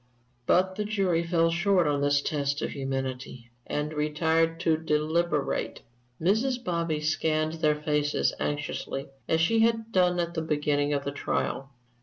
But the jury fell short of this test of humanity, and retired to deliberate. Mrs. Bobby scanned their faces anxiously, as she had done at the beginning of the trial.